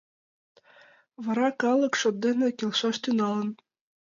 Вара калык шот дене келшаш тӱҥалын.